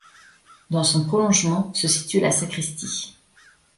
Dans son prolongement se situe la sacristie.